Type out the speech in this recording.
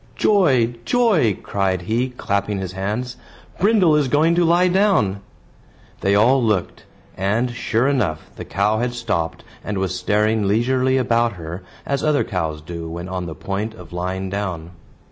"Joy! joy!" cried he, clapping his hands. "Brindle is going to lie down." They all looked; and, sure enough, the cow had stopped, and was staring leisurely about her, as other cows do when on the point of lying down.